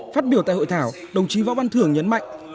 phát biểu tại hội thảo đồng chí võ văn thưởng nhấn mạnh